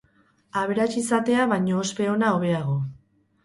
Aberats izatea baino ospe ona hobeago.